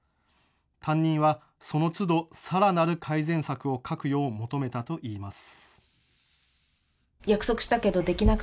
担任は、そのつどさらなる改善策を書くよう求めたといいます。